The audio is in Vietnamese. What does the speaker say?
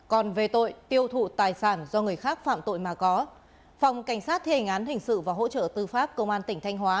còn về tội tiêu thụ tài sản do người khác phạm tội mà có phòng cảnh sát thế hình án hình sự và hỗ trợ tư pháp công an tỉnh thanh hóa